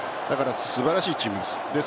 素晴らしいチームです。